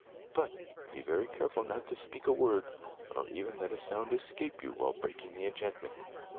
"But be very careful not to speak a word, nor even let a sound escape you while breaking the enchantment!